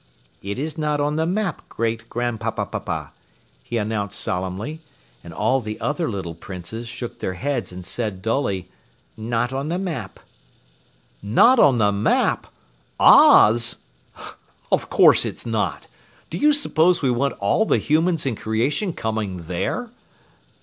"It is not on the map, great Grand papapapah," he announced solemnly, and all of the other little Princes shook their heads and said dully, "Not on the map." "Not on the map Oz? Of course it's not. Do you suppose we want all the humans in creation coming there?"